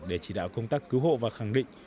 để chỉ đạo công tác cứu hộ và khẳng định